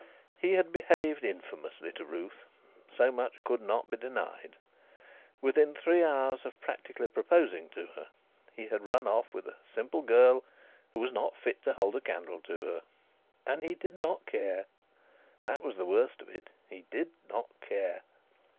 He had behaved infamously to Ruth; so much could not be denied. Within three hours of practically proposing to her, he had run off with a simple girl, who was not fit to hold a candle to her. And he did not care. That was the worst of it; he did not care.